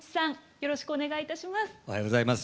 よろしくお願いします。